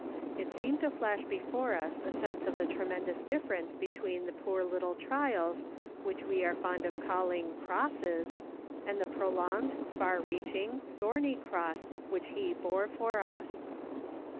It seemed to Hash before lis a sense of the tremendous dilfevence between the poor little trials, which we are fond of callini,' "crosses," and the prolonged, far reaching, thorny cross which He bore for us.